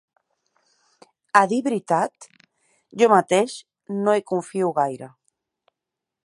A dir veritat, jo mateix no hi confio gaire.